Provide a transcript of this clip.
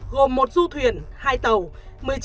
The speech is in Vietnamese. gồm một du thuyền hai tàu